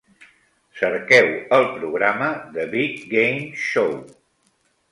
Cerqueu el programa The Big Game Show.